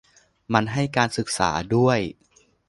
มันให้การศึกษาด้วย